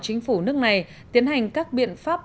chính phủ nước này tiến hành các biện pháp